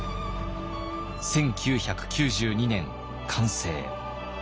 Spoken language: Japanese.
１９９２年完成。